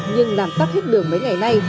nhưng làm tắt hết đường mấy ngày nay